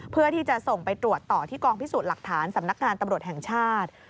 เพื่อที่จะส่งไปตรวจต่อที่กองพิสูจน์หลักฐานสำนักงานตำรวจแห่งชาติ